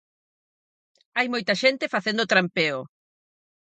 Hai moita xente facendo trampeo.